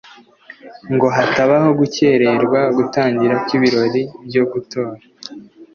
ngo hatabaho gukererwa gutangira kw’ibirori byo gutora.